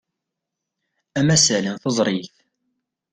Amasal n teẓrigt.